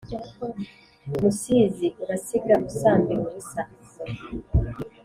musizi urasiga usambira ubusa